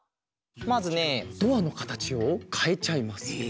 まずねドアのかたちをかえちゃいます！